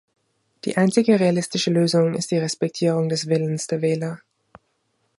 Die einzige realistische Lösung ist die Respektierung des Willens der Wähler.